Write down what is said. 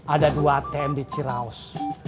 ada dua tm di ciraus